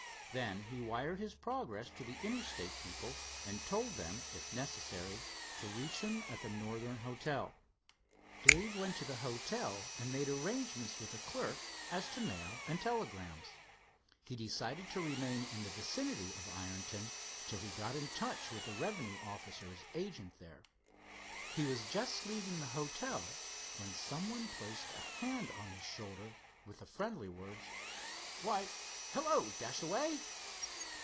Then he wired his progress to the Interstate people and told them if necessary to reach, him at the Northern Hotel. Dave went to the hotel and made arrangement with the clerk as to mail and telegrams. He decided to remain in the vicinity of Ironton till he got in touch with the revenue officer's agent there. He was just leaving the hotel when one placed a hand on his shoulder, with the friendly words: "Why, hello, Dashaway."